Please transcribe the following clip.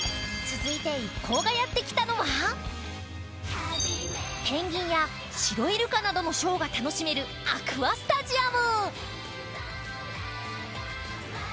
続いて一行がやってきたのはペンギンやシロイルカなどのショーが楽しめるアクアスタジアム。